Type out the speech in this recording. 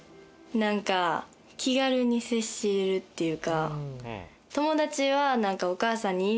何か気軽に接せれるっていうか。